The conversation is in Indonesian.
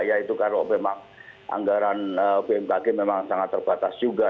ya itu kalau memang anggaran bmkg memang sangat terbatas juga